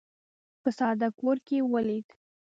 په ساده کور کې ولید.